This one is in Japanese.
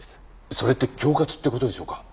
それって恐喝って事でしょうか？